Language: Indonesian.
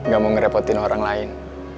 gak mau ngerepotin orang lain